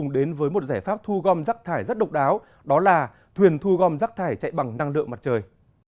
đây là chiếc thuyền thu gom rác thải chạy bằng năng lượng mặt trời